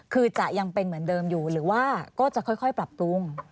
คือจะยังเป็นเหมือนเดิมอยู่หรือว่าก็จะค่อยปรับปรุง